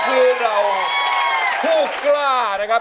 สวัสดีครับ